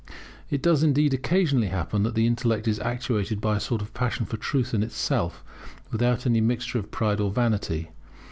It does indeed occasionally happen that the intellect is actuated by a sort of passion for truth in itself, without any mixture of pride or vanity.